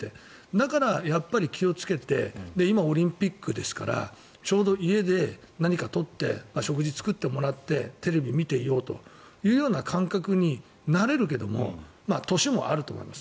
だから気をつけて今、オリンピックですからちょうど、家で何かを取って食事を作ってもらってテレビを見ていようという感覚になれるけども年もあると思います。